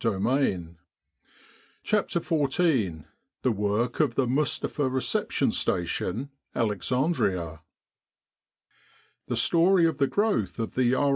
209 i CHAPTER XIV THE WORK OF THE MUSTAPHA RECEPTION STATION, ALEXANDRIA THE story of the growth of the R.